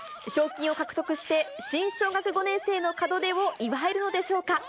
賞金を獲得して、新小学５年生の門出を祝えるのでしょうか。